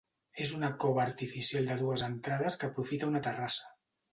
És una cova artificial de dues entrades que aprofita una terrassa.